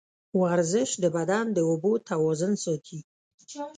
ورزش د بدن د اوبو توازن ساتي.